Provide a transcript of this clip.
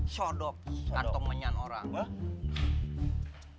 sodo atau menyan orang